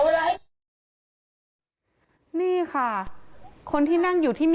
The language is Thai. แล้วดูสิคะแต่แม่ที่นั่งอยู่บนเตียง